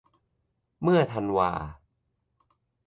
เมื่อธันวา